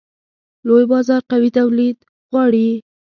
لوی بازار قوي تولید غواړي.